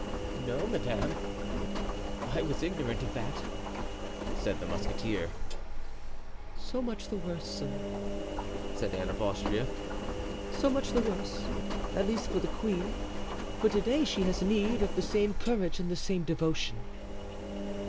"No, madame, I was ignorant of that," said the musketeer. "So much the worse, sir," said Anne of Austria; "so much the worse, at least for the queen, for to day she has need of the same courage and the same devotion."